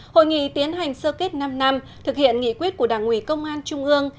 hội nghị tiến hành sơ kết năm năm thực hiện nghị quyết của đảng ủy công an trung ương